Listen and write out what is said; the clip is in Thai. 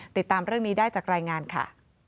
ติดตามเรื่องนี้ได้จากรายงานค่ะ